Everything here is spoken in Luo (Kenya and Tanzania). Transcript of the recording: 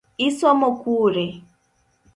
Isomo kure?